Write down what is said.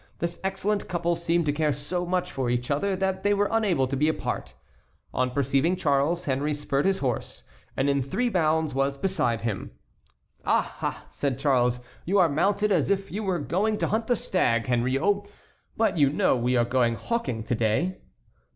This excellent couple seemed to care so much for each other that they were unable to be apart. On perceiving Charles, Henry spurred his horse, and in three bounds was beside him. "Ah, ah!" said Charles, "you are mounted as if you were going to hunt the stag, Henriot; but you know we are going hawking to day."